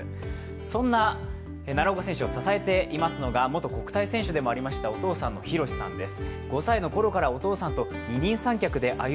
そんな奈良岡選手を支えていますのが元国体選手でもありました、お父さんの浩さんです。